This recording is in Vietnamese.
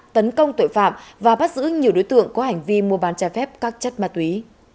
tấn công tội phạm và bắt giữ nhiều đối tượng có hành vi mua bán trái phép các chất ma túy